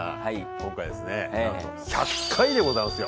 今回ですねなんと１００回でございますよ。